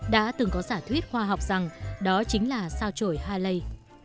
đã từng có giả thuyết khoa học rằng đó chính là sao trổi haley